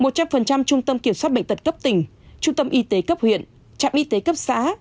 một trăm linh trung tâm kiểm soát bệnh tật cấp tỉnh trung tâm y tế cấp huyện trạm y tế cấp xã